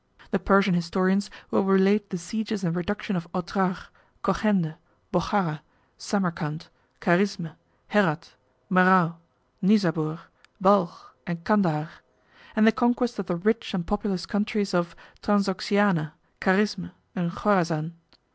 The Persian historians will relate the sieges and reduction of Otrar, Cogende, Bochara, Samarcand, Carizme, Herat, Merou, Nisabour, Balch, and Candahar; and the conquest of the rich and populous countries of Transoxiana, Carizme, and Chorazan.